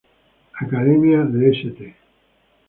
Academy of St.